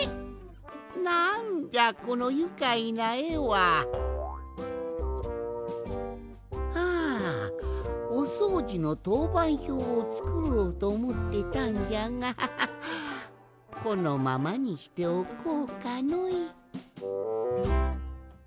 なんじゃこのゆかいなえは？はおそうじのとうばんひょうをつくろうとおもってたんじゃがこのままにしておこうかのい。